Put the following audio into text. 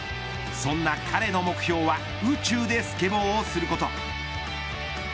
そんな彼の目標は宇宙でスケボーをすること。